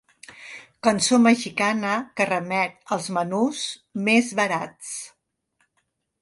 Cançó mexicana que remet als menús més barats.